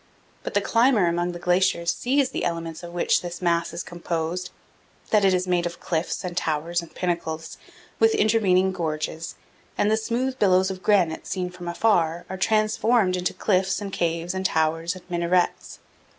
But the climber among the glaciers sees the elements of which this mass is composed, that it is made of cliffs and towers and pinnacles, with intervening gorges, and the smooth billows of granite seen from afar are transformed into cliffs and caves and towers and minarets.